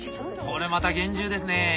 これまた厳重ですね。